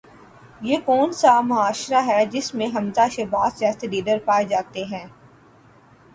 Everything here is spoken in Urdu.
یہ کون سا معاشرہ ہے جس میں حمزہ شہباز جیسے لیڈر پائے جاتے ہیں؟